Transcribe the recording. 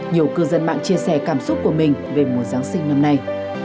nhiều cư dân mạng chia sẻ cảm xúc của mình về mùa giáng sinh năm nay